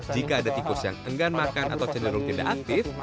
jika ada tikus yang enggan makan atau cenderung tidak aktif